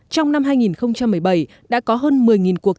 trong năm hai nghìn một mươi bảy đã có hơn một mươi cuộc tấn công